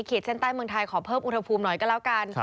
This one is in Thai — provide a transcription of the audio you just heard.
เส้นใต้เมืองไทยขอเพิ่มอุณหภูมิหน่อยก็แล้วกัน